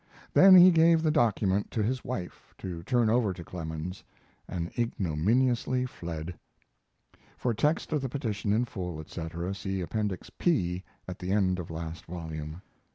Then he gave the document to his wife, to turn over to Clemens, and ignominiously fled. [For text of the petition in full, etc., see Appendix P, at the end of last volume.